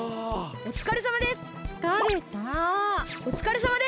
おつかれさまです！